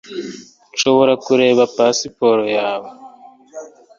nshobora kureba pasiporo yawe